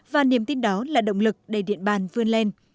và niềm tin đó là động lực để điện bàn vươn lên